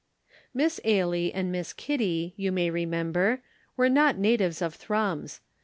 Miss Ailie and Miss Kitty, you may remember, were not natives of Thrums.